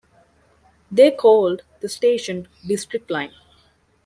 They called the station "District Line".